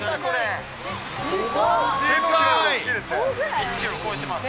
１キロ超えてます。